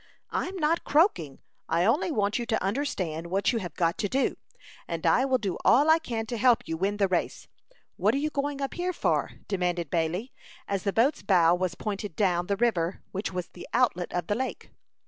"I'm not croaking. I only want you to understand what you have got to do; and I will do all I can to help you win the race. What are you going up here for?" demanded Bailey, as the boat's bow was pointed down the river, which was the outlet of the lake.